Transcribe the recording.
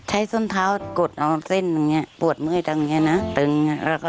ใช้ส้นเท้ากดเอาเส้นตรงนี้ปวดเมื่อยตรงนี้นะตึงอย่างนี้